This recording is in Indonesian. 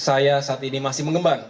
saya saat ini masih mengembang